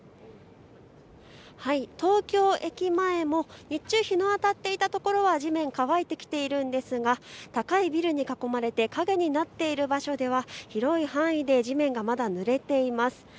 東京駅前も日中、日の当たっていたところは地面が乾いてきているんですが、高いビルに囲まれて影になっている場所では広い範囲で地面がまだぬれています。